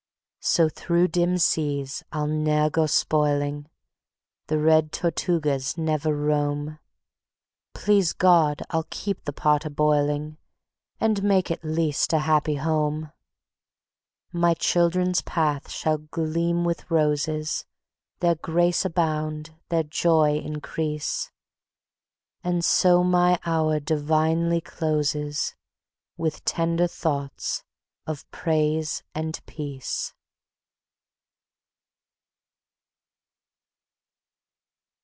So through dim seas I'll ne'er go spoiling; The red Tortugas never roam; Please God! I'll keep the pot a boiling, And make at least a happy home. My children's path shall gleam with roses, Their grace abound, their joy increase. And so my Hour divinely closes With tender thoughts of praise and peace.